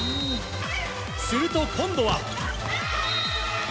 すると、今度は。